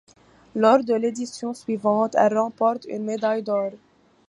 Lors de l'édition suivante, elle remporte une médaille d'or.